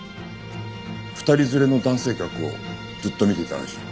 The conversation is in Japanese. ２人連れの男性客をずっと見ていたらしい。